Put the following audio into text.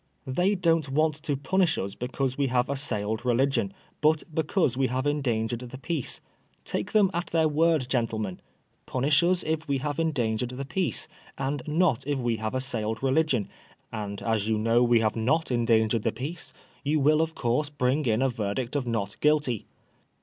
They don^t want to punish us because we have assailed religion, but because we haye endangered the peace. Take them at their word, gentlemen. Punish us if we have endangered the peace, and not if we have assailed religion ; and as you know we have not endangered the peace, you mil of course bring in a verdict of Not Guilty.